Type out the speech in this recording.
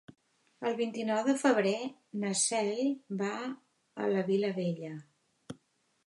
El vint-i-nou de febrer na Cel va a la Vilavella.